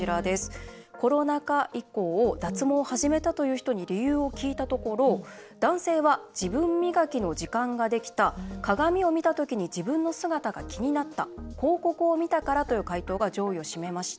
コロナ禍以降脱毛を始めたという人に理由を聞いたところ男性は、自分磨きの時間ができた鏡を見た時に自分の姿が気になった広告を見たからという回答が上位を占めました。